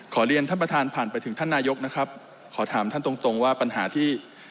เรียนท่านประธานผ่านไปถึงท่านนายกนะครับขอถามท่านตรงตรงว่าปัญหาที่